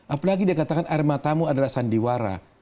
apalagi dikatakan air matamu adalah sandiwara